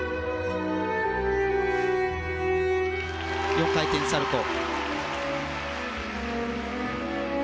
４回転サルコウ。